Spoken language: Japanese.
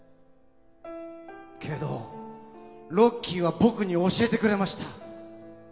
けど、「ロッキー」は僕に教えてくれました。